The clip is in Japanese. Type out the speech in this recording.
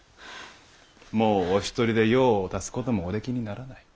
もうお一人で用を足すこともおできにならない。